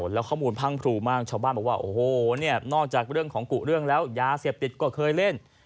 แล้วข้อมูลพังพรูมากชาวบ้านบอกว่าโอ้โหเนี่ยนอกจากเรื่องของกุเรื่องแล้วยาเสพติดก็เคยเล่น